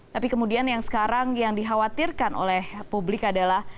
tapi kemudian yang sekarang yang dikhawatirkan oleh publik adalah